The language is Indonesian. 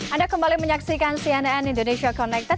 anda kembali menyaksikan cnn indonesia connected